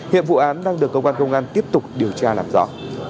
hiệp vụ án đang được công an công an tiếp tục điều tra làm rõ